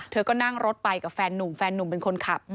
เธอก็นั่งรถไปกับแฟนนุ่มแฟนนุ่มเป็นคนขับ